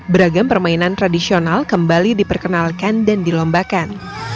beragam permainan tradisional kembali diperkenalkan dan dilombakan